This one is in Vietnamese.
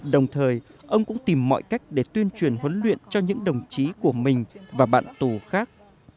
đồng thời ông cũng tìm mọi cách để tuyên truyền huấn luyện cho những đồng chí của mình và bạn tù khác